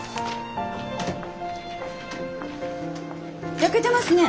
焼けてますね。